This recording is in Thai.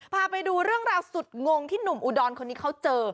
พาไปดูเรื่องราวสุดงงที่หนุ่มอุดรคนนี้เขาเจอ